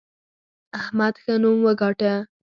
احمد ښه نوم وګاټه.